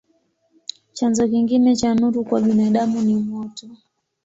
Chanzo kingine cha nuru kwa binadamu ni moto.